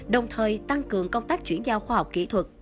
đồng thời tăng cường công tác chuyển giao khoa học kỹ thuật